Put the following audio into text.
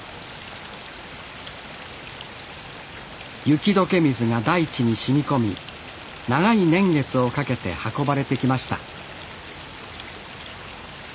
雪解け水が大地にしみこみ長い年月をかけて運ばれてきました